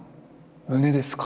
胸ですか！